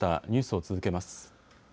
ニュースを続けます。